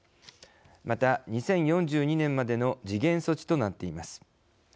また、２０４２年までの時限措置となっています。